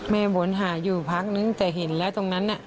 วนหาอยู่พักนึงแต่เห็นแล้วตรงนั้นน่ะ